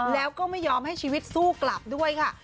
แล้วก็ไม่ยอมให้ชีวิตสู้กลับด้วยค่ะ